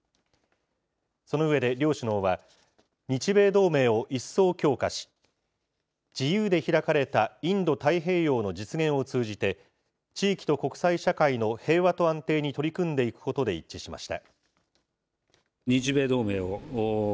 その上で両首脳は、日米同盟を一層強化し、自由で開かれたインド太平洋の実現を通じて、地域と国際社会の平和と安定に取り組んでいくことで一致しました。